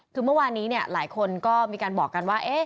คือเมื่อวานนี้หลายคนก็มีการบอกกันว่า